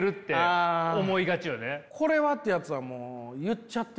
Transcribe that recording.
「これは」ってやつはもう言っちゃってるよな。